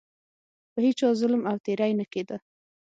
په هیچا ظلم او تیری نه کېده.